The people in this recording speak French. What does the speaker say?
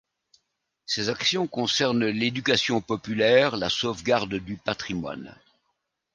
Ses actions concernent l'éducation populaire, la sauvegarde du patrimoine.